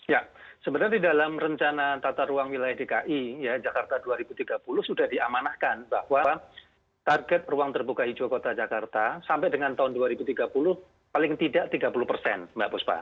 ya sebenarnya di dalam rencana tata ruang wilayah dki jakarta dua ribu tiga puluh sudah diamanahkan bahwa target ruang terbuka hijau kota jakarta sampai dengan tahun dua ribu tiga puluh paling tidak tiga puluh persen mbak buspa